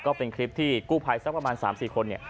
ก็เป็นคลิปที่กู้ภัยสักประมาณ๓๔คน